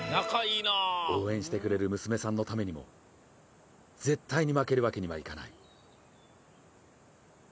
応援してくれる娘さんのためにも絶対に負けるわけにはいかない。